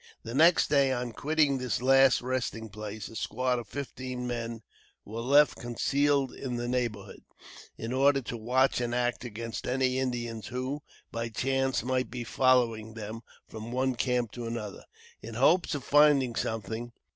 The next day, on quitting this last resting place, a squad of fifteen men was left concealed in the neighborhood, in order to watch and act against any Indians who, by chance, might be following them from one camp to another, in hopes of finding something.